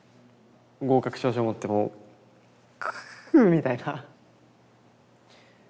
合格証書持ってもう「くう」みたいな。